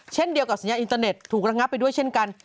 เช่นเดียวกับสัญญาอินเตอร์เน็ตถูกระงับไปด้วยเช่นกัน